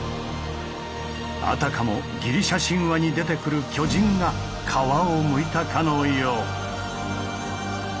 あたかもギリシャ神話に出てくる巨人が皮をむいたかのよう。